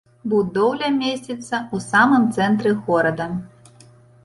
Будоўля месціцца ў самым цэнтры горада.